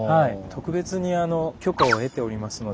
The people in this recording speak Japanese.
特別に許可を得ておりますので。